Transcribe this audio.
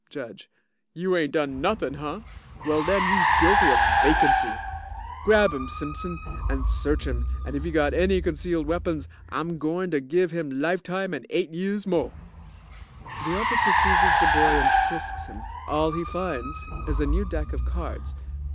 JUDGE You ain't done nothin', hunh? Well den youse guilty of vacancy. Grab 'im, Simpson, and search 'im and if he got any concealed weapons, I'm gointer give 'im life time and eight years mo'. (The OFFICER seizes the boy and frisks him. All he finds is a new deck of cards.